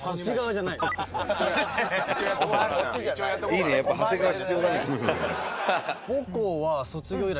いいねやっぱ長谷川必要だね。